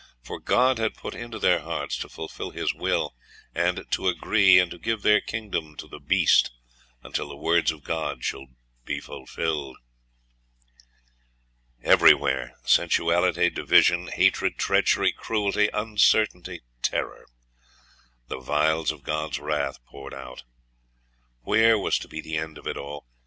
For God had put into their hearts to fulfil His will, and to agree, and to give their kingdom to the beast, until the words of God should be fulfilled.'.... Everywhere sensuality, division, hatred, treachery, cruelty, uncertainty, terror; the vials of God's wrath poured out. Where was to be the end of it all?